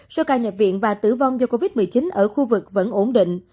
số ca nhập viện và tử vong do covid một mươi chín ở khu vực vẫn ổn định